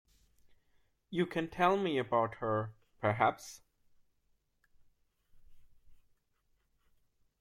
You can tell me about her perhaps?